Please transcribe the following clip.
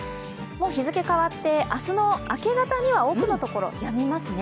日付変わって明日の明け方には多くのところ、やみますね。